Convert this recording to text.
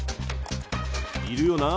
いるよな。